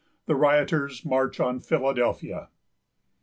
THE RIOTERS MARCH ON PHILADELPHIA.